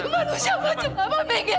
manusia macam apa menggigil diam